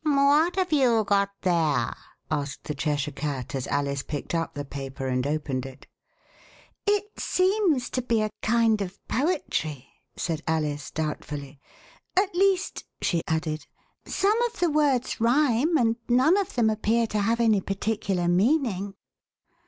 What have you got there ?" asked the Cheshire Cat as Alice picked up the paper and opened it. It seems to be a kind of poetry," said Alice doubtfully; at least," she added, some of the words rhyme and none of them appear to have any particular meaning."